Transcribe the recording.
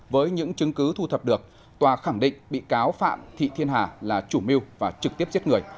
với những chứng cứ thu thập được tòa khẳng định bị cáo phạm thị thiên hà là chủ mưu và trực tiếp giết người